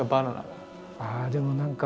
ああでも何か。